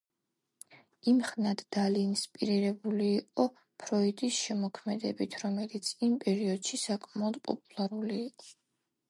იმხნად დალი ინსპირირებული იყო ფროიდის შემოქმედებით, რომელიც იმ პერიოდში საკმაოდ პოპულარული იყო.